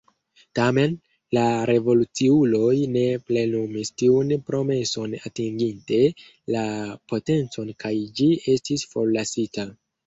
Tamen, la revoluciuloj ne plenumis tiun promeson atinginte la potencon kaj ĝi estis forlasita.